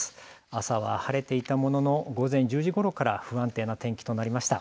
朝は晴れていたものの午前１０時ごろから不安定な天気となりました。